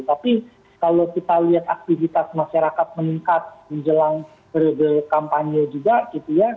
tapi kalau kita lihat aktivitas masyarakat meningkat menjelang periode kampanye juga gitu ya